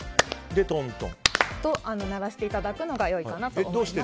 鳴らしていただくのが良いかなと思います。